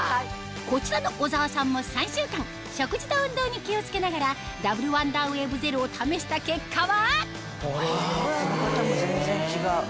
こちらの小沢さんも３週間食事と運動に気を付けながらダブルワンダーウェーブゼロを試した結果はこの方も全然違う。